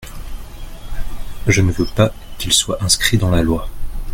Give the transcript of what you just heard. Je ne veux pas qu’il soit inscrit dans la loi.